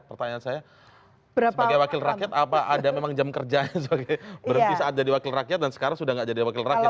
pertanyaan saya sebagai wakil rakyat apa ada memang jam kerjanya sebagai berhenti saat jadi wakil rakyat dan sekarang sudah tidak jadi wakil rakyat